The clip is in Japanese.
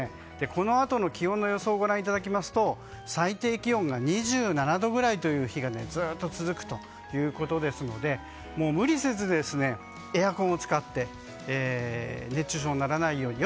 このあとの気温の予想をご覧いただきますと最低気温が２７度くらいの日がずっと続くということですので無理せずに、エアコンを使って熱中症にならないように。